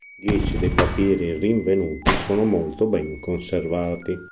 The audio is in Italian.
Dieci dei papiri rinvenuti sono molto ben conservati.